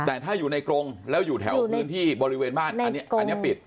แต่ถ้าอยู่ในกรงแล้วอยู่แถวพื้นที่บริเวณบ้านอันนี้ปิด